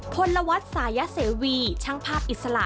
พลวัฒน์สายเสวีช่างภาพอิสระ